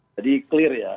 jadi clear ya